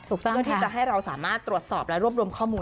เพื่อที่จะให้เราสามารถตรวจสอบและรวบรวมข้อมูล